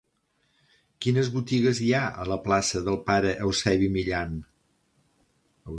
Quines botigues hi ha a la plaça del Pare Eusebi Millan?